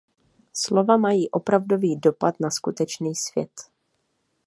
Slova mají opravdový dopad na skutečný svět.